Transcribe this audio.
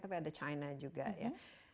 tapi ada china juga ya